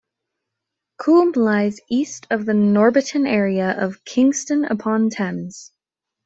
Coombe lies east of the Norbiton area of Kingston upon Thames.